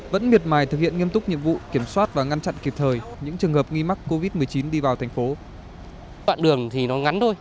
vẫn miệt mài thực hiện nghiêm túc nhiệm vụ kiểm soát và ngăn chặn kịp thời những trường hợp nghi mắc covid một mươi chín đi vào thành phố